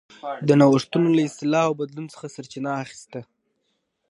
د نوښتونو له اصلاح او بدلون څخه سرچینه اخیسته.